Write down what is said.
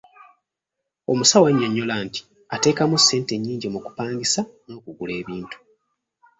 Omusawo annyonnyola nti ateekamu ssente nnyingi mu kupangisa n'okugula ebintu.